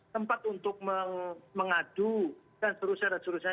tempat untuk mengadu dan seterusnya dan seterusnya